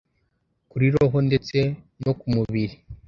kuri roho ndetse no ku mubiri